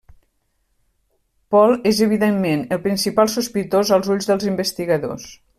Paul és evidentment el principal sospitós als ulls dels investigadors.